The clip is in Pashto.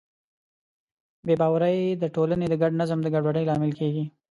بې باورۍ د ټولنې د ګډ نظم د ګډوډۍ لامل کېږي.